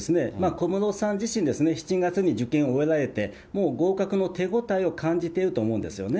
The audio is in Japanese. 小室さん自身、７月に受験を終えられて、もう合格の手応えを感じていると思うんですよね。